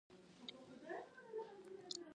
سبا به ولاړ سئ.